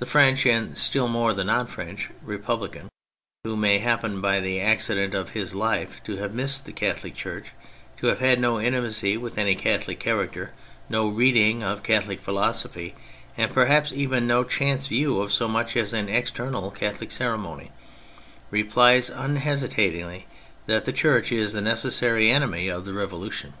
The French (and still more the non French) Re publican who may happen, by the accident of his life, to have missed the Catholic Church, to have had no intimacy wth any Catholic character, no reading of Catholic philosophy, and perhaps even no chance view of so much as an external Catholic ceremony, replies un hesitatingly that the Church is the necessary enemy of the Revolution.